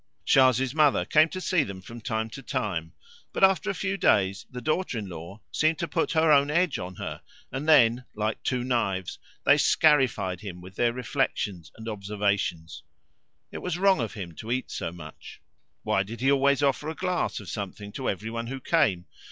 Charles's mother came to see them from time to time, but after a few days the daughter in law seemed to put her own edge on her, and then, like two knives, they scarified him with their reflections and observations. It was wrong of him to eat so much. Why did he always offer a glass of something to everyone who came?